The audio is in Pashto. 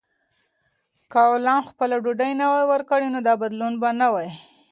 که غلام خپله ډوډۍ نه وای ورکړې، نو دا بدلون به نه و.